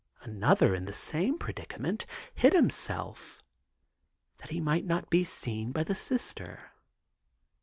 Another in the same predicament hid himself that he might not be seen by the Sister.